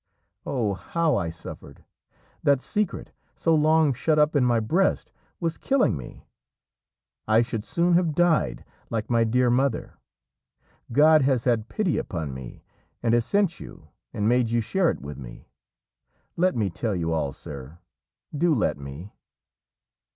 Oh, how I suffered! That secret, so long shut up in my breast, was killing me. I should soon have died, like my dear mother. God has had pity upon me, and has sent you, and made you share it with me. Let me tell you all, sir, do let me!"